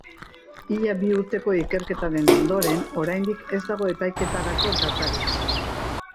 Ia bi urteko ikerketaren ondoren, oraindik ez dago epaiketarako datarik.